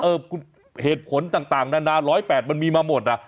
เหตุผลต่างนานา๑๐๘มันมีมาหมดอ่ะ